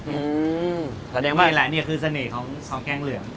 นี่แหละนี่คือเสน่ห์ของแกงเหลือง